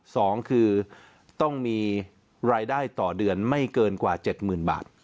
สองคือต้องมีรายได้ต่อเดือนไม่เกินกว่าเจ็ดหมื่นบาท